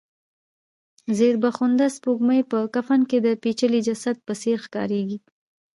زېړبخونده سپوږمۍ په کفن کې د پېچلي جسد په څېر ښکاریږي.